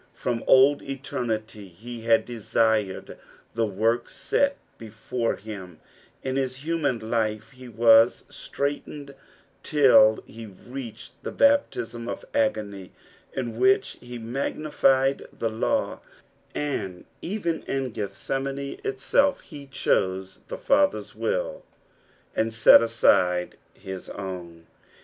from old eternity he had desired the work set before I)im ; in his numan life he was straitened till he reached the baptism of agony in which he magnified tho law, and even in Gethsemane itself he chose tha Father's will, nnd set aside his own.